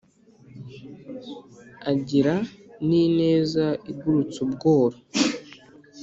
Agira n'ineza igurutsa ubworo